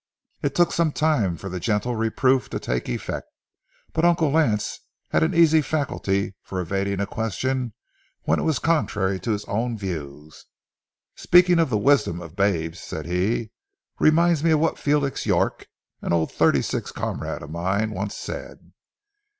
It took some little time for the gentle reproof to take effect, but Uncle Lance had an easy faculty of evading a question when it was contrary to his own views. "Speaking of the wisdom of babes," said he, "reminds me of what Felix York, an old '36 comrade of mine, once said.